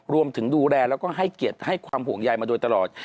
ดูแลแล้วก็ให้เกียรติให้ความห่วงใยมาโดยตลอด